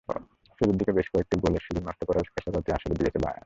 শুরুর দিকে বেশ কয়েকটি গোলের সুযোগ নষ্ট করার খেসারতটাই আসলে দিয়েছে বায়ার্ন।